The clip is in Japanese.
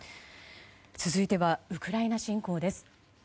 続いては、ウクライナ侵攻です。